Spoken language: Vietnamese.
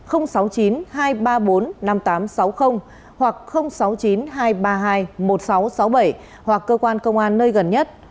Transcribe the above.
hoặc sáu mươi chín hai trăm ba mươi hai một nghìn sáu trăm sáu mươi bảy hoặc cơ quan công an nơi gần nhất